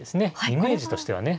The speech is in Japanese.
イメージとしてはね。